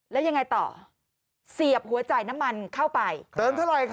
แล้วยังไงต่อเสียบหัวจ่ายน้ำมันเข้าไปเติมเท่าไหร่คะ